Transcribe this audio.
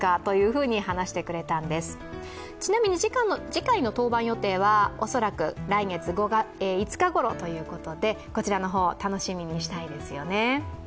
次回の登板予定は来月５日ごろということでこちらの方、楽しみにしたいですよね。